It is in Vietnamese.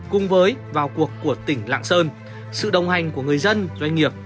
cùng với vào cuộc của tỉnh lạng sơn sự đồng hành của người dân